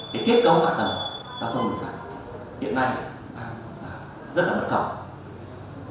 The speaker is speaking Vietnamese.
đấy cái kết cấu hỏa tầng giao thông người sắt hiện nay rất là bất cập